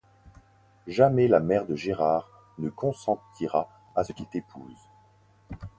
Jamais la mère de Gérard ne consentira à ce qu'il t'épouse.